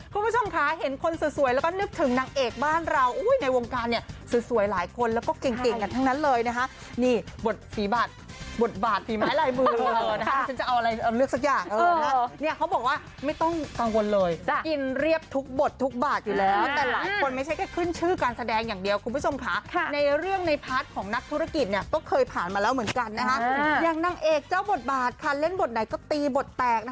คุณผู้ชมคะเห็นคนสวยแล้วนึกถึงนางเอกบ้านเรา